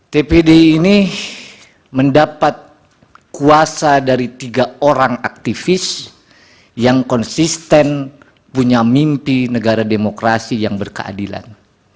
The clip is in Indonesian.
tpd ini mendapat kuasa dari tiga orang aktivis yang konsisten punya mimpi negara demokrasi yang berkeadilan